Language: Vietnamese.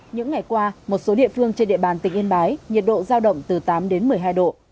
những ngày qua một số địa phương trên địa bàn tỉnh yên bái nhiệt độ giao động từ tám đến một mươi hai độ